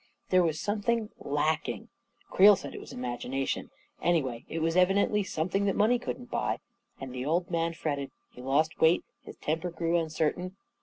There was some thing lacking. Creel said it was imagination. Any way, it was evidently something that money couldn't buy. And the old man fretted; he lost weight; his temper grew uncertain